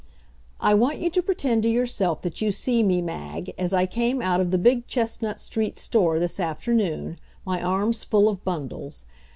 I want you to pretend to yourself that you see me, Mag, as I came out of the big Chestnut Street store this afternoon, my arms full of bundles.